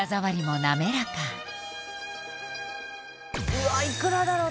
うわあいくらだろう？